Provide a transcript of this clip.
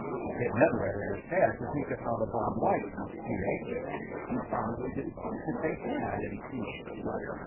It never entered his head to think of how the Bob Whites must feel. He probably didn't think that they had any feelings.